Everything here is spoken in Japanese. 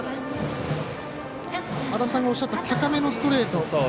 足達さんがおっしゃった高めのストレート。